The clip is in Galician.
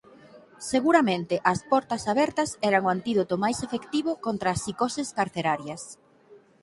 Seguramente as portas abertas eran o antídoto máis efectivo contra as psicoses carcerarias.